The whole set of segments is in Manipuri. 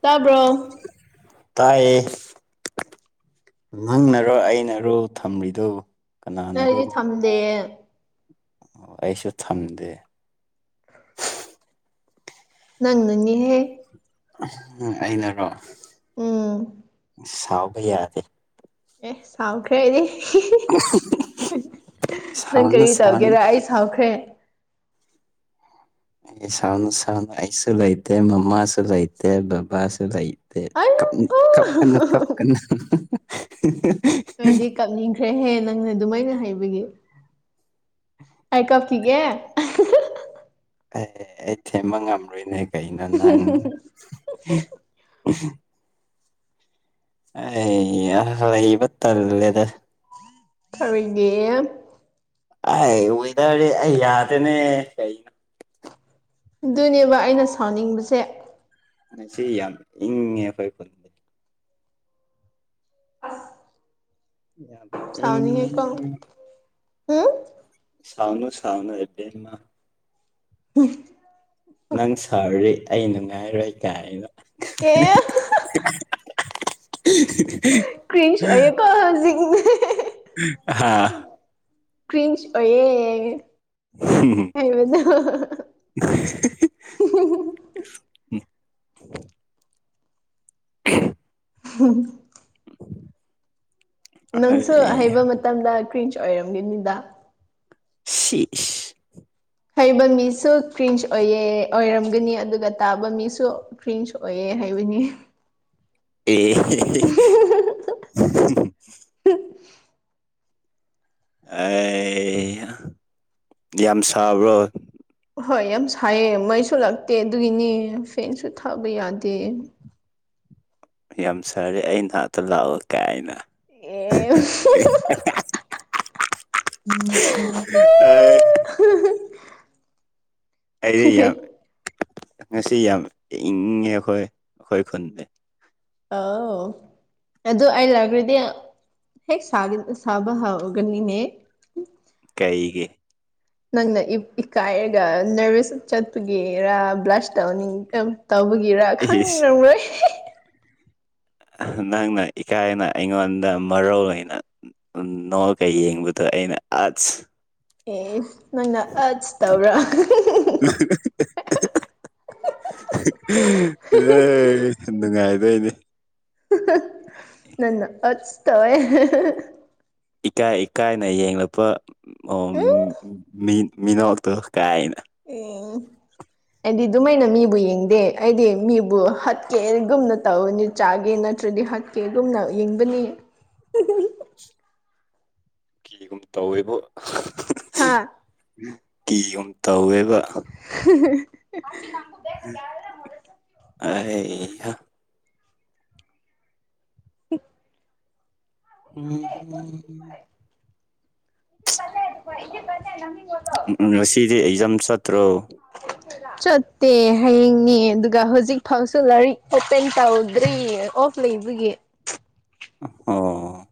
ꯇꯥꯕ꯭ꯔꯣ ꯇꯥꯏꯌꯦ ꯅꯪꯅꯔꯣ ꯎꯝ ꯑꯩꯅꯔꯣ ꯊꯝꯔꯤꯗꯨ ꯑꯩꯗꯤ ꯊꯝꯗꯦꯌꯦ ꯑꯣ ꯑꯩꯁꯨ ꯊꯝꯗꯦ ꯅꯪ ꯅꯅꯤꯍꯦ [unintelligible] ꯑꯩꯅꯔꯣ ꯎꯝ ꯁꯥꯥꯎꯕ ꯌꯥꯗꯦ ꯑꯦ ꯁꯥꯎꯈ꯭ꯔꯦ ꯑꯩꯗꯤ [unintelligible] ꯅꯪ ꯁꯥꯎꯅꯨ ꯀꯔꯤ ꯁꯥꯎꯅꯨ ꯇꯧꯒꯦꯔ ꯑꯩ ꯁꯥꯎꯈ꯭ꯔꯦ ꯁꯥꯎꯅꯨ ꯁꯥꯎꯅꯨ ꯑꯩꯁꯨ ꯂꯩꯇꯦ ꯃꯃꯥꯁꯨ ꯂꯩꯇꯦ ꯕꯕꯥꯁꯨ ꯂꯩ ꯇꯦ ꯑꯩ ꯀꯞ ꯀꯞꯀꯅꯨ ꯀꯞꯀꯅꯨ [unintelligible] ꯗꯣꯏꯗꯤ ꯀꯞꯅꯤꯡꯈ꯭ꯔꯦꯍꯦ ꯅꯪꯅ ꯑꯗꯨꯃꯥꯏꯅ ꯍꯥꯏꯕꯒꯤ ꯑꯩ ꯀꯞꯀꯤꯒꯦ [unintelligible] ꯑꯦ ꯑꯩ ꯊꯦꯝꯕ ꯉꯝꯔꯣꯏꯅꯦ ꯀꯩꯅꯣ ꯅꯪ [unintelligible] ꯑꯥꯌꯥ ꯂꯩꯕ ꯇꯜꯂꯦꯗ ꯈꯔꯤꯒꯤ ꯑꯩ ꯑꯣꯏꯗꯔꯦ ꯑꯩ ꯌꯥꯗꯦꯅꯦ ꯀꯩ ꯑꯗꯨꯅꯦꯕ ꯑꯩꯅ ꯁꯥꯎꯅꯤꯡꯕꯁꯦ ꯉꯁꯤ ꯌꯥꯝ ꯏꯪꯉꯦ ꯑꯈꯣꯏ ꯈꯨꯜ ꯌꯥꯝ ꯁꯅꯤꯉꯦꯀꯣ ꯏꯪꯉꯦ ꯎꯝ ꯁꯥꯎꯅꯨ ꯁꯥꯎꯅꯨ ꯢꯕꯦꯝꯃ [unintelligible] ꯅꯪ ꯁꯥꯎꯔꯗꯤ ꯑꯩ ꯅꯨꯡꯉꯥꯏꯔꯣꯏ ꯀꯥꯏꯅ ꯑꯦ [unintelligible] ꯀ꯭ꯔꯤꯟꯁ ꯑꯣꯢꯌꯦꯀꯣ ꯍꯧꯖꯤꯛ ꯍꯥ [unintelligible] ꯀ꯭ꯔꯤꯟꯁ ꯑꯣꯢꯌꯦ [unintelligible] [unintelligible] [unintelligible] [unintelligible] [unintelligible] [unintelligible] ꯅꯪꯁꯨ ꯑꯩ ꯍꯩꯕ ꯃꯇꯝꯗ ꯀ꯭ꯔꯤꯟꯖ ꯑꯣꯏꯔꯝꯒꯅꯤꯗ ꯁꯤ ꯏꯁ ꯍꯩꯕ ꯃꯤꯁꯨ ꯀ꯭ꯔꯤꯟꯖ ꯑꯣꯏꯌꯦ ꯑꯣꯏꯔꯝꯒꯅꯤ ꯑꯗꯨꯒ ꯇꯥꯕ ꯃꯤꯁꯨ ꯀ꯭ꯔꯤꯟꯖ ꯑꯣꯏꯌꯦ ꯍꯥꯏꯕꯅꯤ ꯑꯦ [unintelligible] ꯑꯥꯏ ꯌꯥꯝ ꯁꯥꯕ꯭ꯔꯣ ꯍꯣꯏ ꯌꯥꯝ ꯁꯥꯏꯌꯦ ꯃꯩꯁꯨ ꯂꯥꯛꯇꯦ ꯑꯗꯨꯒꯤꯅꯤ ꯐꯦꯟꯁꯨ ꯊꯥꯕ ꯌꯥꯗꯦ ꯌꯥꯝ ꯁꯥꯔꯗꯤ ꯑꯩ ꯅꯥꯛꯇ ꯂꯥꯛꯑꯣ ꯀꯥꯏꯅ ꯑꯦ [unintelligible] ꯑꯩ ꯌꯥꯝ ꯉꯁꯤ ꯌꯥꯝ ꯏꯪꯉꯦ ꯑꯈꯣꯏ ꯑꯈꯣꯏ ꯈꯨꯟꯗꯤ ꯑꯥꯎ ꯑꯗꯨ ꯑꯩ ꯂꯥꯛꯔꯗꯤ ꯍꯦꯛ ꯁꯥꯒ ꯁꯥꯕ ꯍꯧꯒꯅꯤꯅꯦ ꯀꯩꯒꯤ ꯅꯪꯅ ꯏ ꯏꯀꯥꯏꯔꯒ ꯅꯔꯚꯁ ꯆꯠꯄꯒꯤꯔꯥ ꯕ꯭ꯂꯁ ꯇꯧꯅꯤꯡ ꯇꯧꯕꯒꯤꯔꯥ ꯏꯁ ꯈꯪꯔꯝꯔꯣꯏ ꯅꯪꯅ ꯏꯀꯥꯏꯅ ꯑꯩꯉꯣꯟꯗ ꯃꯔꯧ ꯂꯩꯅ ꯅꯣꯛꯑꯒ ꯌꯦꯡꯕꯗꯣ ꯑꯩꯅ ꯑꯥꯁ ꯑꯦ ꯅꯪꯅ ꯑꯠꯁ ꯇꯧꯔꯥ [unintelligible] ꯑꯦ ꯅꯨꯡꯉꯥꯏꯗꯣꯏꯅꯤ ꯅꯪꯅ ꯑꯠꯁ ꯇꯧꯋꯦ ꯏꯀꯥꯏ ꯏꯀꯥꯏꯅ ꯌꯦꯡꯂꯛꯄ ꯎꯝ ꯃꯤ ꯃꯤꯅꯣꯛꯇꯣ ꯀꯥꯏꯅ ꯢꯪ ꯑꯩꯗꯤ ꯗꯨꯃꯥꯏꯅ ꯃꯤꯕꯨ ꯌꯦꯡꯗꯦ ꯑꯩꯗꯤ ꯃꯤꯕꯨ ꯍꯥꯠꯀꯦ ꯒꯨꯝꯅ ꯇꯧꯅꯤ ꯆꯥꯒꯦ ꯅꯠꯇ꯭ꯔꯗꯤ ꯍꯥꯠꯀꯦ ꯗꯨꯝꯅ ꯌꯦꯡꯕꯅꯤ ꯀꯤꯒꯨꯝ ꯇꯧꯋꯦꯕꯨ ꯍꯥ ꯀꯤꯒꯨꯝ ꯇꯧꯋꯦꯕ [unintelligible] ꯑ ꯍꯩ ꯍꯥ [inaudible] [unintelligible] [unintelligible] ꯉꯁꯤꯗꯤ ꯏꯛꯖꯥꯝ ꯆꯠꯇ꯭ꯔꯣ ꯆꯠꯇꯦ ꯍꯌꯦꯡꯅꯤ ꯑꯗꯨꯒ ꯍꯧꯖꯤꯛ ꯐꯥꯎꯁꯨ ꯂꯥꯏꯔꯤꯛ ꯑꯣꯄꯦꯟ ꯇꯧꯗ꯭ꯔꯤ ꯑꯣ ꯂꯩꯕꯒꯤ ꯑꯣ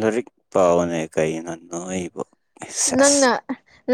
ꯂꯥꯔꯤꯛ ꯄꯥꯑꯣꯅꯦ ꯀꯩꯅꯣ ꯅꯣꯏꯕꯣ ꯅꯪꯅ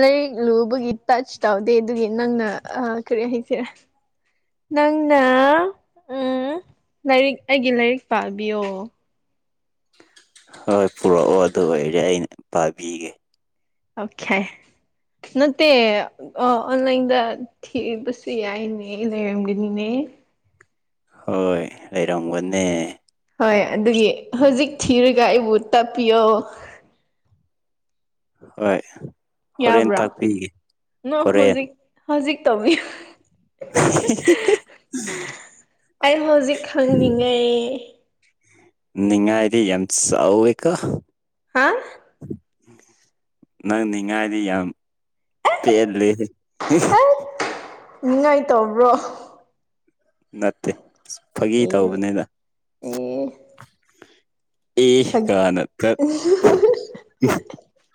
ꯂꯩꯔꯤꯛ ꯂꯨꯕꯒꯤ ꯇꯆ ꯇꯧꯗꯦ ꯗꯨꯒꯤ ꯅꯪꯅ ꯑ ꯀꯔꯤ ꯍꯥꯏꯁꯦꯔꯥ ꯅꯪꯅꯥ ꯎꯡ ꯂꯩꯔꯤꯛ ꯑꯩꯒꯤ ꯂꯩꯔꯤꯛ ꯄꯥꯕꯤꯌꯣ ꯍꯣꯏ ꯄꯨꯔꯛꯑꯣ ꯑꯗꯨ ꯑꯣꯏꯔꯗꯤ ꯑꯩꯅ ꯄꯥꯕꯤꯒꯦ ꯑꯣꯈꯦ ꯅꯠꯇꯦ ꯑꯣ ꯑꯣꯟꯂꯥꯏꯟꯗ ꯊꯤꯕꯁꯨ ꯌꯥꯏꯅꯦ ꯂꯩꯔꯝꯒꯅꯤꯅꯦ ꯍꯣꯏ ꯂꯩꯔꯝꯒꯅꯦ ꯍꯣꯏ ꯑꯗꯨꯒꯤ ꯍꯨꯖꯤꯛ ꯊꯤꯔꯒ ꯑꯩꯕꯨ ꯇꯥꯛꯄꯤꯌꯣ ꯍꯣꯏ ꯍꯣꯔꯦꯟ ꯌꯥꯕ꯭ꯔꯥ ꯇꯥꯛꯄꯤꯒꯦ ꯅ ꯍꯣꯔꯦꯟ ꯍꯧꯖꯤꯛ ꯍꯧꯖꯤꯛ ꯇꯧꯕꯤꯌꯨ [inaudible] ꯑꯩ ꯍꯧꯖꯤꯛ ꯈꯪꯅꯤꯡꯉꯦ ꯅꯤꯡꯉꯥꯏꯗꯤ ꯌꯥꯝ ꯆꯥꯎꯋꯦꯀꯣ ꯍꯥ ꯅꯪ ꯅꯤꯡꯉꯥꯏꯗꯤ ꯌꯥꯝ ꯄꯦꯜꯂꯦ [unintelligible] ꯍꯦꯛ ꯅꯤꯉꯥꯏ ꯇꯧꯕ꯭ꯔꯣ ꯅꯠꯇꯦ ꯐꯥꯒꯤ ꯑꯦ ꯇꯧꯕꯅꯤꯅ ꯑꯦ ꯑꯦ ꯀꯅ ꯇꯠ [unintelligible]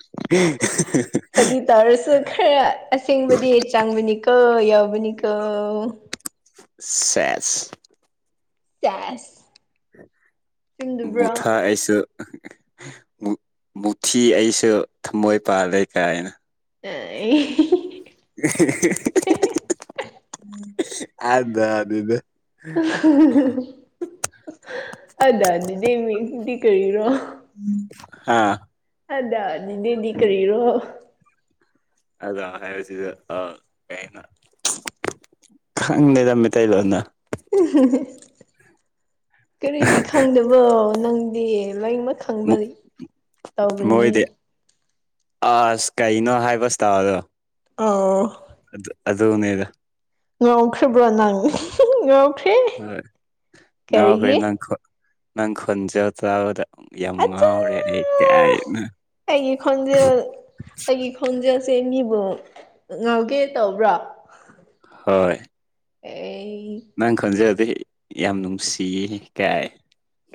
ꯐꯥꯒꯤ ꯇꯧꯔꯁꯨ ꯈꯔ ꯑꯁꯦꯡꯕꯗꯤ ꯆꯥꯡꯕꯤꯅꯤ ꯀꯣ ꯌꯥꯎꯕꯅꯤꯀꯣ ꯁꯦꯁ ꯆꯦꯁ ꯆꯨꯝꯗꯕ꯭ꯔꯣ ꯃꯨꯊꯥꯏ ꯑꯩꯁꯨ [unintelligible] ꯃꯨ ꯃꯨꯊꯤ ꯑꯩꯁꯨ ꯊꯃꯣꯏꯄꯥꯥꯂꯦ ꯀꯥꯏꯅ [unintelligible] [unintelligible] ꯑꯗ ꯑꯗꯨꯗ [unintelligible] ꯑꯗꯥꯗꯤꯗꯤ ꯃꯤꯡꯗꯤ ꯀꯔꯤꯅꯣ ꯍꯥꯥ ꯑꯗꯅꯤꯗꯤꯗꯤ ꯀꯔꯤꯔꯣ ꯑꯗꯣ ꯍꯥꯏꯔꯁꯤ [unintelligible] ꯈꯪꯗꯦꯗ ꯃꯩꯇꯩꯂꯣꯟꯅ [unintelligible] ꯀꯔꯤꯒꯤ ꯈꯪꯗꯕ꯭ꯔꯣ ꯅꯪꯗꯤ ꯂꯣꯏꯃꯛ ꯈꯪꯕ ꯇꯧꯕꯅꯤ ꯃꯣꯏꯗꯤ ꯑꯁ ꯀꯩꯅꯣ ꯍꯥꯏꯕ ꯏꯁꯇꯥꯏꯜ ꯗꯣ ꯑꯣ ꯑꯗꯨ ꯑꯗꯨꯅꯦꯗ ꯉꯥꯎꯈ꯭ꯔꯕ꯭ꯔꯣ ꯅꯪ [unintelligible] ꯉꯥꯎꯈ꯭ꯔꯦ ꯍꯣꯏ ꯉꯥꯎꯈ꯭ꯔꯦ ꯀꯔꯤꯒꯤ ꯅꯪ ꯅꯪ ꯈꯣꯟꯖꯦꯜ ꯇꯥꯕꯗ ꯌꯥꯝ ꯑꯠꯆꯥ ꯉꯥꯎꯔꯦ ꯑꯩ ꯀꯥꯢꯅ ꯈꯣꯡꯖꯦꯜꯁꯦ ꯃꯤꯕꯨ ꯉꯥꯎꯒꯦ ꯇꯧꯕ꯭ꯔꯣ ꯍꯣꯏ ꯑꯩ ꯅꯪ ꯈꯣꯟꯖꯦꯜꯗꯤ ꯌꯥꯝ ꯅꯨꯡꯁꯤꯌꯦ ꯀꯥꯏ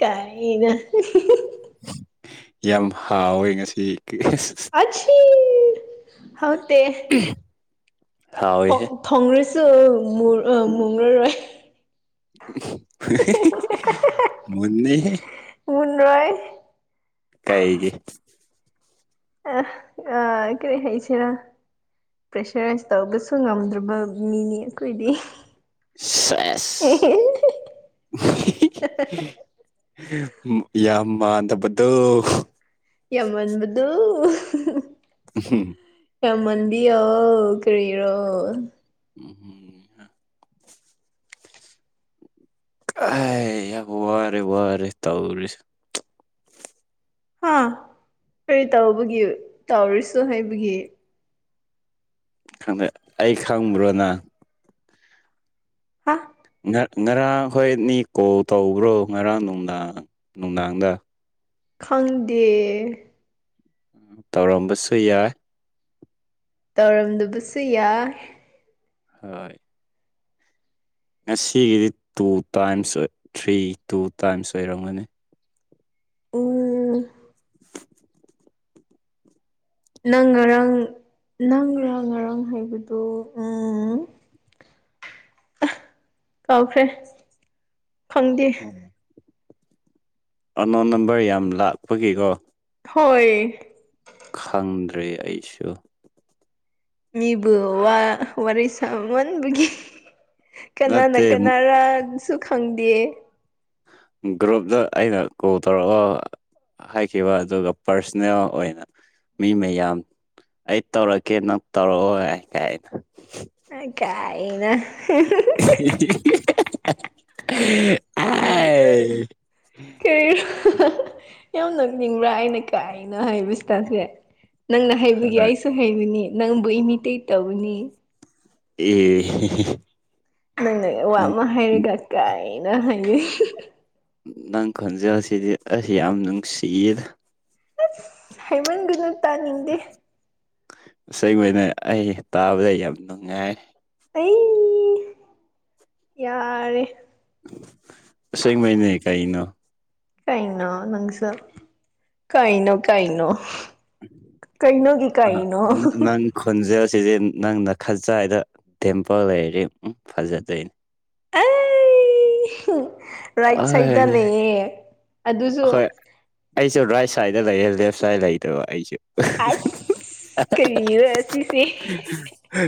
ꯀꯥꯏꯅ [unintelligible] ꯌꯥꯝ ꯍꯥꯎꯋꯦ ꯉꯁꯤ [unintelligible] [unintelligible] ꯍꯥꯎꯇꯦ [inaudible] ꯍꯥꯎꯋꯦꯍꯦ ꯊꯣꯡ ꯊꯣꯡꯔꯁꯨ ꯃꯨ ꯃꯨꯔꯔꯣꯏ [inaudible] ꯃꯨꯟꯅꯤꯍꯦ ꯃꯨꯟꯔꯣꯏ ꯀꯩꯒꯤ ꯑ ꯑ ꯀꯔꯤ ꯍꯥꯏꯁꯤꯔ ꯄ꯭ꯔꯦꯁꯔꯥꯏꯁ ꯇꯧꯕꯁꯨ ꯉꯝꯗ꯭ꯔꯕ ꯃꯤꯅꯤ ꯑꯩꯈꯣꯏꯗꯤ ꯁꯦꯁ [inaudible] [inaudible] ꯍꯦꯞ ꯌꯥꯝ ꯃꯥꯟꯗꯕꯗꯣ ꯌꯝꯃꯟꯕꯗꯣ ꯍ ꯌꯝꯃꯥꯟꯕꯤꯌꯣ ꯀꯔꯤꯔꯣ [unintelligible] ꯀꯥꯏ ꯌꯥꯝ ꯋꯥꯔꯦ ꯋꯥꯔꯦ ꯇꯧꯔꯤꯁꯤ ꯍꯥ ꯀꯔꯤ ꯇꯧꯕꯒꯤ ꯇꯧꯔꯁꯨ ꯍꯥꯏꯕꯒꯤ ꯈꯪꯗꯦ ꯑꯩ ꯈꯪꯕ꯭ꯔꯣꯅ ꯍꯥ ꯉ ꯉꯔꯥꯡ ꯈꯣꯏꯅꯤ ꯀꯣꯜ ꯇꯧꯕ꯭ꯔꯣ ꯉꯔꯥꯡ ꯅꯨꯡꯗꯥꯡ ꯅꯨꯡꯗꯥꯡꯗ ꯈꯪꯗꯦ ꯇꯧꯔꯝꯕꯁꯨ ꯌꯥꯏ ꯇꯧꯔꯝꯗꯕꯁꯨ ꯌꯥꯏ ꯍꯣꯏ ꯉꯁꯤꯒꯤꯗꯤ ꯇꯨ ꯇꯥꯏꯝꯁ ꯑꯣꯏ ꯊ꯭ꯔꯤ ꯇꯨ ꯇꯥꯏꯝꯁ ꯑꯣꯏꯔꯝꯒꯅꯤ ꯎꯝ [unintelligible] ꯅꯪ ꯉꯔꯥꯡ ꯅꯪꯔ ꯉꯥꯡ ꯉꯔꯥꯡ ꯍꯥꯏꯕꯗꯣ ꯎꯝ [unintelligible] ꯑ ꯀꯥꯎꯈ꯭ꯔꯦ ꯐꯪꯪꯗꯦ ꯑꯅꯣꯟ ꯅꯝꯕꯔ ꯌꯥꯝ ꯂꯥꯛꯄꯒꯤꯀꯣ ꯍꯣꯏ ꯈꯪꯗ꯭ꯔꯦ ꯑꯩꯁꯨ ꯃꯤꯕꯨ ꯋꯥ ꯋꯥꯔꯤ ꯁꯃꯟꯕꯒꯤ ꯀꯅꯥꯅ ꯅꯠꯇꯦ ꯀꯅꯥꯔꯟꯁꯨ ꯈꯪꯗꯦ ꯒ꯭ꯔꯨꯞꯇ ꯑꯩꯅ ꯀꯣꯜ ꯇꯧꯔꯑ ꯍꯥꯏꯈꯤꯕ ꯑꯗꯨꯒ ꯄꯥꯔꯁꯅꯦꯜ ꯑꯣꯏꯅ ꯃꯤ ꯃꯌꯥꯝ ꯑꯩ ꯇꯧꯔꯛꯀꯦ ꯅꯪ ꯇꯧꯔꯛꯑꯣ ꯍꯥꯏ ꯀꯥꯏꯅ ꯑ ꯒꯥꯏꯅꯥ [unintelligible] ꯑꯦ ꯀꯩ ꯌꯥꯝ ꯅꫭꯛꯅꯤꯡꯕ꯭ꯔꯥ ꯑꯩꯅ ꯀꯥꯏꯅ ꯍꯥꯏꯕꯁꯤꯇꯥꯁꯦ ꯅꯪꯅ ꯍꯩꯕꯒꯤ ꯑꯩꯁꯨ ꯍꯩꯕꯅꯤ ꯅꯪꯕꯨ ꯏꯃꯤꯇꯦꯠ ꯇꯧꯕꯅꯤ ꯑꯦ ꯅꯪꯅ ꯑꯋꯥ ꯑꯃ ꯍꯥꯏꯔꯒ ꯀꯥꯏꯅ ꯍꯥꯏꯌꯦ ꯅꯪ ꯈꯣꯟꯖꯦꯜ ꯑꯁꯤꯗꯤ ꯑꯁ ꯌꯥꯝ ꯅꯨꯡꯁꯤꯌꯦꯗ ꯑꯁ ꯍꯥꯏꯩꯃꯟꯒꯅꯨ ꯇꯥꯅꯤꯡꯗꯦ ꯏꯁꯩ ꯑꯣꯏꯅ ꯑꯩ ꯇꯥꯕꯗ ꯌꯥꯝ ꯅꯨꯡꯉꯥꯏ ꯑꯩ ꯌꯥꯔꯦ ꯑꯁꯦꯡꯕꯩꯅꯦ ꯀꯩꯅꯣ ꯀꯩꯅꯣ ꯅꯪꯁꯨ ꯀꯩꯅꯣ ꯀꯩꯅꯣ ꯀꯩꯅꯣꯒꯤ ꯑ ꯀꯩꯅꯣ ꯅꯪ ꯈꯣꯟꯖꯦꯜꯁꯤꯗꯤ ꯅꯪꯅ ꯈꯖꯥꯏꯗ ꯗꯤꯝꯄꯜ ꯂꯩꯔꯗꯤ ꯎ ꯐꯖꯗꯣꯏꯅꯦ ꯑꯩ ꯔꯥꯏꯠ ꯁꯥꯏꯗꯠꯇ ꯑꯩ ꯂꯩꯌꯦ ꯑꯗꯨꯁꯨ ꯍꯣꯏ ꯑꯩꯁꯨ ꯔꯥꯏꯠ ꯁꯥꯏꯗꯇ ꯂꯩꯌꯦꯦ ꯂꯦꯐ ꯁꯥꯏꯠ ꯂꯩꯇꯕ ꯑꯩꯁꯨ ꯑꯁ ꯀꯔꯤꯔ ꯑꯁꯤꯁꯦ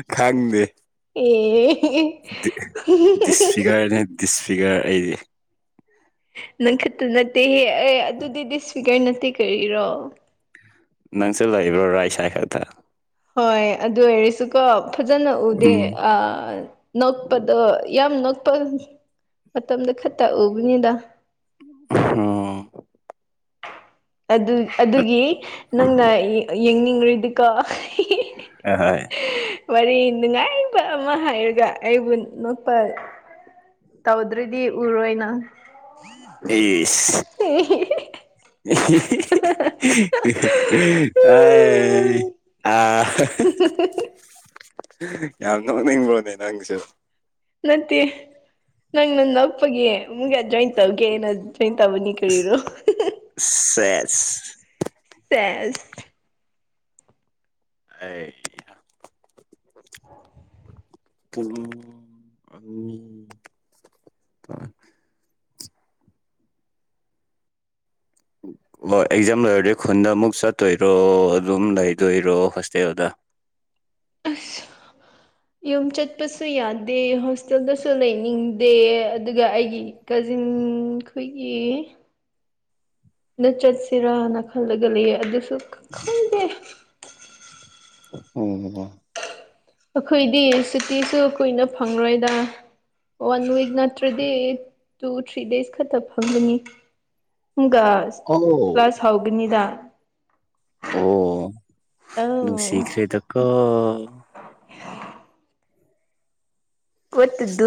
[inaudible] ꯈꯥꯪꯗꯦ ꯑꯦ [unintelligible] ꯗꯤꯁꯐꯤꯒꯔꯅꯦ ꯗꯤꯁꯐꯤꯒꯔ ꯑꯩꯗꯤ ꯅꯪꯈꯛꯇ ꯅꯠꯇꯦ ꯍꯦ ꯑꯦ ꯑꯗꯨꯗꯤ ꯗꯤꯁꯐꯤꯒꯔ ꯅꯠꯇꯦ ꯀꯔꯤꯔꯣ ꯅꯪꯁꯨ ꯂꯩꯕ꯭ꯔꯣ ꯔꯥꯏꯠ ꯁꯥꯏꯠ ꯈꯛꯇ ꯍꯣꯏ ꯑꯗꯨ ꯑꯣꯏꯔꯁꯨꯀꯣ ꯐꯖꯅ ꯎꯗꯦ ꯎꯝ ꯅꯣꯛꯄꯗꯣ ꯌꯥꯝ ꯅꯣꯛꯄ ꯃꯇꯝꯗ ꯈꯛꯇ ꯎꯕꯅꯤꯗ ꯎꯝ ꯑꯗꯨ ꯑꯗꯨꯒꯤ ꯅꯪꯅ ꯌꯦꯡꯅꯤꯡꯔꯥꯗꯤ ꯀꯣ ꯍꯣꯏ ꯋꯥꯔꯤ ꯅꯨꯡꯉꯥꯏꯕ ꯑꯃ ꯍꯥꯏꯔꯒ ꯑꯩꯕꯨ ꯅꯣꯛꯄ ꯇꯧꯗ꯭ꯔꯗꯤ ꯎꯔꯣꯏꯅ ꯏꯁ [unintelligible] [unintelligible] ꯌꯥꯝ ꯅꯣꯛꯅꯤꯡꯕꯔꯣꯅꯦ ꯅꯪꯁꯨ ꯅꯠꯇꯦ ꯅꯪ ꯅꯣꯛꯄꯒꯦ ꯑꯃꯨꯛ ꯏꯟꯖꯣꯏ ꯇꯧꯒꯦ ꯅ ꯇꯧꯕꯅꯤ ꯀꯔꯤꯅꯦ ꯁꯦꯁ ꯁꯦꯁ ꯑꯩ [unintelligible] [unintelligible] ꯑꯅꯤ ꯑꯣ ꯑꯦꯛꯖꯥꯝ ꯂꯩꯣꯏꯔꯗꯤ ꯈꯨꯟꯗ ꯑꯃꯨꯛ ꯆꯠꯇꯣꯏꯔꯣ ꯑꯗꯨꯝ ꯂꯩꯗꯣꯏꯔꯣ ꯍꯣꯁꯇꯦꯜꯗ ꯑꯁ [unintelligible] ꯌꯨꯝ ꯆꯠꯄꯁꯨ ꯌꯥꯗꯦ ꯍꯣꯁꯇꯦꯜꯗꯁꯨ ꯂꯩꯅꯤꯡꯗꯦ ꯑꯗꯨꯒ ꯑꯩꯒꯤ ꯀꯖꯤꯟ ꯈꯣꯏꯒꯤ ꯗ ꯆꯠꯁꯤꯔꯥꯅ ꯈꯜꯂꯒ ꯂꯩꯌꯦ ꯑꯗꯨꯁꯨ ꯈꯪꯗꯦ [unintelligible] ꯑꯣ ꯕꯥꯕꯥ ꯑꯩꯈꯣꯏꯗꯤ ꯆꯨꯇꯤꯁꯨ ꯀꯨꯏꯅ ꯐꯪꯂꯔꯣꯏꯗ ꯋꯥꯟ ꯋꯤꯛ ꯅꯠꯇ꯭ꯔꯗꯤ ꯇꯨ ꯊ꯭ꯔꯤ ꯗꯦꯖ ꯈꯛꯇ ꯐꯪꯒꯅꯤꯒꯁ [unintelligible] ꯊꯧꯒꯅꯤꯗ ꯑꯣ ꯑꯧ ꯅꯨꯡꯁꯤꯈ꯭ꯔꯦꯗꯀꯣ [unintelligible] ꯋꯥꯠ ꯇꯨ ꯗꯨ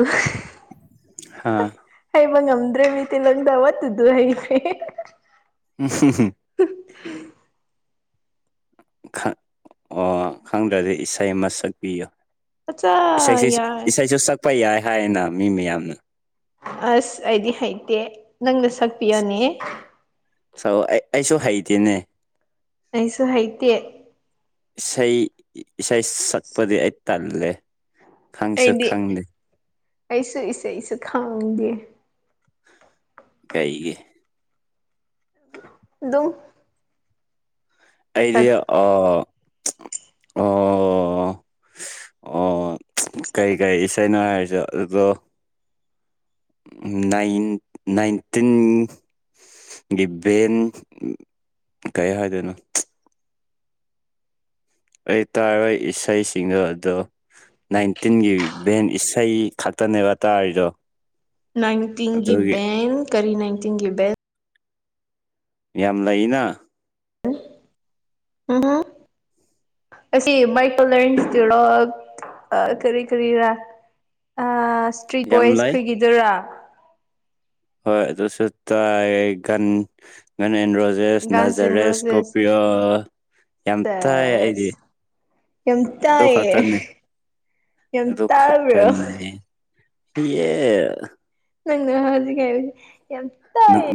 ꯍꯥꯥ ꯍꯩꯕ ꯉꯝꯗ꯭ꯔꯦ ꯃꯤꯇꯤꯂꯣꯟꯗ ꯑꯃꯇꯨꯗ ꯍꯩꯇꯔ꯭ꯦ [unintelligible] ꯈꯪ ꯑꯣ ꯈꯪꯗ꯭ꯔꯗꯤ ꯏꯁꯩ ꯑꯃ ꯁꯛꯄꯤꯌꯨ ꯑꯠꯆꯥ ꯏꯁꯩꯁꯦ ꯌꯥꯔꯦ ꯏꯁꯩꯁꯨ ꯁꯛꯄ ꯌꯥꯏ ꯍꯥꯏꯌꯦꯅ ꯃꯤ ꯃꯌꯥꯝꯅ ꯑꯁ ꯑꯩꯗꯤ ꯍꯩꯇꯦ ꯅꯪꯅ ꯁꯛꯄꯤꯌꯣꯅꯦ ꯁꯑꯣ ꯑꯩ ꯑꯩꯁꯨ ꯍꯩꯇꯦꯅꯦ ꯑꯩꯁꯨ ꯍꯩꯇꯦ ꯏꯁꯩ ꯏꯁꯩ ꯁꯠꯄꯗꯤ ꯑꯩ ꯇꯜꯂꯦ ꯈꯪꯁꯨ ꯑꯩꯗꯤ ꯈꯪꯗꯦ ꯑꯩꯁꯨ ꯏꯁꯩꯁꯨ ꯈꯪꯗꯦ ꯀꯩꯒꯤ ꯗꯨꯝ ꯑꯩꯗꯤ ꯑꯥ ꯑꯥ ꯑꯥ ꯀꯩ ꯀꯩ ꯏꯁꯩꯅꯣ ꯍꯥꯏꯔꯖꯨ ꯗꯨꯗꯣ ꯅꯥꯏꯟ ꯅꯥꯏꯟꯇꯤꯟ ꯒꯤ ꯚꯦꯟ ꯀꯩ ꯍꯥꯏꯗꯣꯏꯅꯣ ꯑꯩ ꯇꯥꯔꯣꯏ ꯏꯁꯩꯁꯤꯡꯗꯣ ꯑꯗꯣ ꯅꯥꯏꯟꯇꯤꯟꯒꯤ ꯚꯦꯟ ꯏꯁꯩ ꯈꯛꯇꯅꯦꯕ ꯇꯥꯔꯤꯗꯣ ꯅꯥꯏꯟꯇꯤꯟꯒꯤ ꯑꯗꯨꯒꯤ ꯕꯦꯡ ꯀꯔꯤ ꯅꯥꯏꯟꯇꯤꯟꯒꯤ ꯕꯦꯜ ꯌꯥꯝ ꯂꯩꯅ [unintelligible] ꯑꯁꯤ ꯃꯥꯏꯀꯣꯂꯔꯦꯟꯁꯇꯤꯔꯣꯜ ꯀꯔꯤ ꯀꯔꯤꯔꯥ ꯑ ꯏꯁꯇ꯭ꯔꯤꯠ ꯌꯥꯝ ꯕꯣꯏꯁ ꯂꯩ ꯈꯣꯏꯒꯤꯗꯨꯔꯥ ꯍꯣꯏ ꯑꯗꯨꯁꯨ ꯇꯥꯏ ꯒꯟ ꯒꯟ ꯑꯦꯟꯗ꯭ꯔꯣ ꯖꯦꯁ ꯒꯥꯟꯁ ꯑꯦꯟ ꯅꯖꯔꯦꯁ ꯔꯣꯁꯦꯁ ꯀꯣꯄꯤꯌꯣ ꯌꯥꯝ ꯇꯥꯏ ꯑꯩꯗꯤ ꯁꯦꯁ ꯌꯥꯝ ꯇꯥꯏꯌꯦ ꯌꯥꯝ ꯑꯗꯣ ꯇꯥꯕ꯭ꯔꯣ ꯈꯠꯇꯅꯦ ꯌꯦ ꯅꯪꯅ ꯍꯧꯖꯤꯛ ꯍꯥꯏꯕꯖꯦ ꯌꯥꯝ ꯇꯥꯏ [unintelligible]